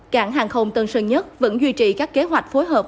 cảng hàng không tân sơn nhất vẫn duy trì các kế hoạch phối hợp